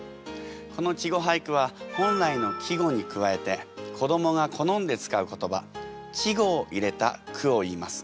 この稚語俳句は本来の季語に加えて子どもが好んで使う言葉稚語を入れた句をいいます。